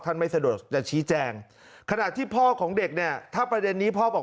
ไม่สะดวกจะชี้แจงขณะที่พ่อของเด็กเนี่ยถ้าประเด็นนี้พ่อบอก